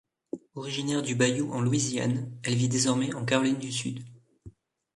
Originaire du bayou en Louisiane, elle vit désormais en Caroline du Sud.